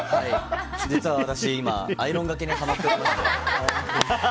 実は私アイロンがけにハマっています。